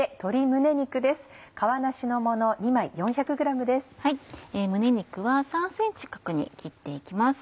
胸肉は３ｃｍ角に切って行きます。